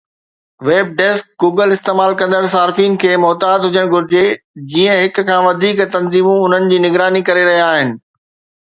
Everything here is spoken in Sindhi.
WebDeskGoogle استعمال ڪندڙ صارفين کي محتاط هجڻ گهرجي جيئن هڪ کان وڌيڪ تنظيمون انهن جي نگراني ڪري رهيا آهن